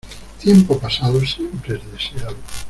Tiempo pasado siempre es deseado.